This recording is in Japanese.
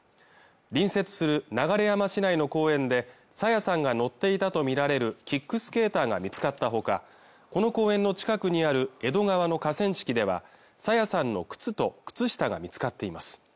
隣接する流山市内の公園で朝芽さんが乗っていたと見られるキックスケーターが見つかったほかこの公園の近くにある江戸川の河川敷では朝芽さんの靴と靴下が見つかっています